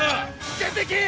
出ていけ！